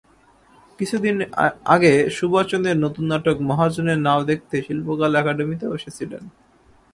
কিছুদিন আগে সুবচনের নতুন নাটক মহাজনের নাও দেখতে শিল্পকলা একাডেমীতেও এসেছিলেন।